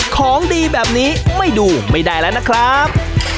ของดีแบบนี้ไม่ดูไม่ได้แล้วนะครับ